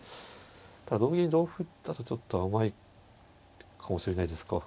同銀同歩だとちょっと甘いかもしれないですか。